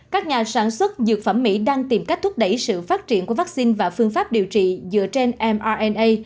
các nhà sản xuất dược phẩm mỹ đang tìm cách thúc đẩy sự phát triển của vaccine và phương pháp điều trị dựa trên mrna